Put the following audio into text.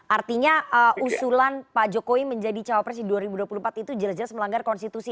artinya usulan pak jokowi menjadi cawapres di dua ribu dua puluh empat itu jelas jelas melanggar konstitusi